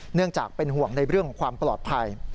เนื่องจากเป็นห่วงในเรื่องของความปลอดภัย